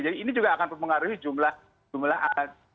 jadi ini juga akan mempengaruhi jumlah jumlahan